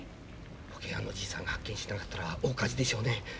じいさんが発見してなかったら大火事でしょうね。